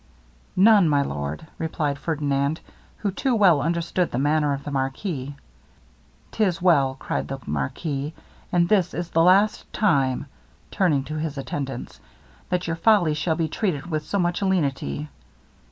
'None, my lord,' replied Ferdinand, who too well understood the manner of the marquis. ''Tis well,' cried the marquis, 'and this is the last time,' turning to his attendants, 'that your folly shall be treated with so much lenity.'